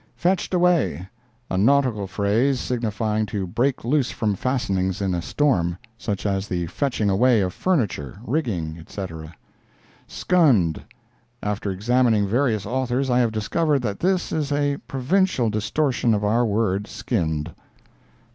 "Fetched away"—A nautical phrase signifying to break loose from fastenings in a storm—such as the fetching away of furniture, rigging, etc. "Skunned"—After examining various authors I have discovered that this is a provincial distortion of our word "skinned."